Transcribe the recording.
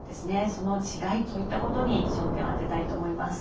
その違いそういったことに焦点を当てたいと思います。